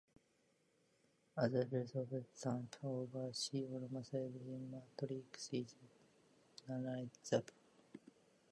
As a rule of thumb, over C almost every matrix is diagonalizable.